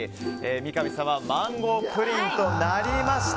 三上さんはマンゴープリンとなりました。